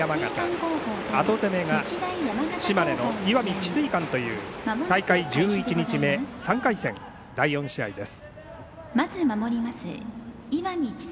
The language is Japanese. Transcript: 後攻めが島根の石見智翠館という大会１１日目、３回戦第４試合です。